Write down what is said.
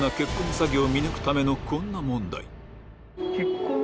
詐欺を見抜くためのこんな問題ピンポン